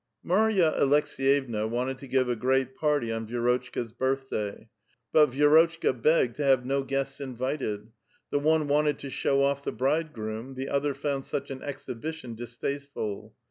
Marya Alekseyevna wanted to give a great party on Vi^rotchka's birthday, but Vi^rotchka begged to have no guests invited : the one wanted to show off the bridegroom ; the other found such an exhibition distasteful.